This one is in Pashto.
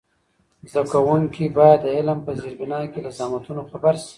زده کوونکي باید د علم په زېربنا کې له زحمتونو خبر سي.